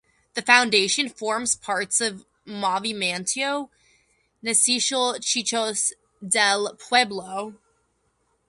The foundation forms part of the Movimiento Nacional Chicos del Pueblo.